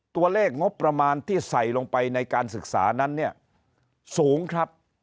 ตัวเลขงบประมาณที่ใส่ลงไปในการศึกษานั้นเนี่ยสูงครับ